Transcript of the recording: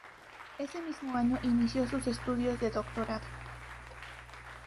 Ese mismo año inició sus estudios de Doctorado.